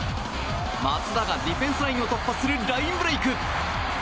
松田がディフェンスラインを突破するラインブレーク！